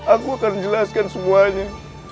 aku akan jelaskan semuanya